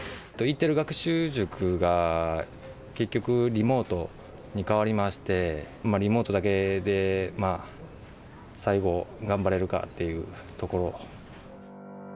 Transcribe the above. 行ってる学習塾が、結局リモートに変わりまして、リモートだけで最後頑張れるかっていうところ。